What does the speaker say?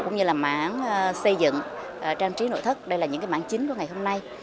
cũng như là mảng xây dựng trang trí nội thất đây là những cái mảng chính của ngày hôm nay